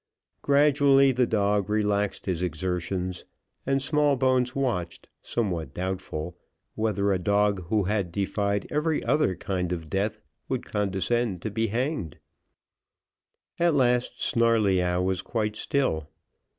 Gradually, the dog relaxed his exertions, and Smallbones watched, somewhat doubtful, whether a dog who had defied every other kind of death, would condescend to be hanged. At last, Snarleyyow was quite still.